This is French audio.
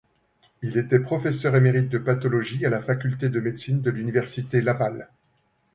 Il était professeur émérite de pathologie à la Faculté de médecine de l'université Laval.